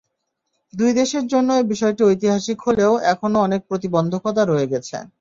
দুই দেশের জন্যই বিষয়টি ঐতিহাসিক হলেও এখনো অনেক প্রতিবন্ধকতা রয়ে গেছে।